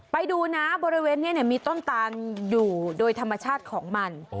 ไปดูนะบริเวณนี้มีต้นตานอยู่โดยธรรมชาติของมัน